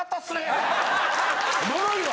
おもろいわ！